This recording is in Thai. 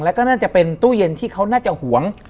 แล้วก็น่าจะเป็นตู้เย็นที่เขาน่าจะห่วง